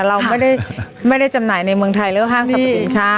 เราไม่ได้จำหน่ายในเมืองไทยเรื่องห้างสรรพสินค้า